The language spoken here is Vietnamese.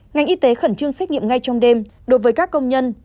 ngành y tế khẩn trương xét nghiệm ngay trong đêm đối với các công nhân